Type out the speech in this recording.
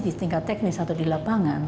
di tingkat teknis atau di lapangan